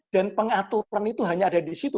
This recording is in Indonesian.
dan pengaturan itu hanya ada di situ